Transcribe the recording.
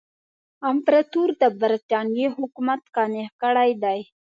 امپراطور د برټانیې حکومت قانع کړی دی.